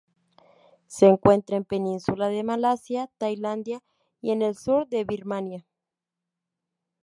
Se encuentran en Península de Malasia, Tailandia, y en el Sur de Birmania.